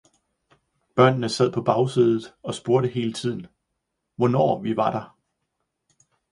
Børnene sad på bagsædet og spurgte hele tiden, hvornår vi var der.